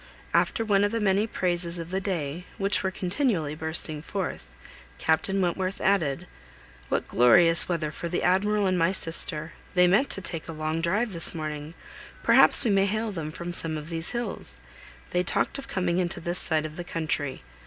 After one of the many praises of the day, which were continually bursting forth, Captain Wentworth added:— "What glorious weather for the Admiral and my sister! They meant to take a long drive this morning; perhaps we may hail them from some of these hills. They talked of coming into this side of the country.